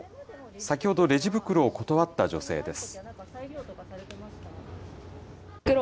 先ほどレジ袋を断った女性です。